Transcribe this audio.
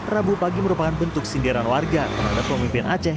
rabu pagi merupakan bentuk sindiran warga terhadap pemimpin aceh